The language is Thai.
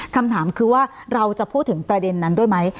คำถามคือว่าเราจะพูดถึงประเด็นนั้นด้วยไหม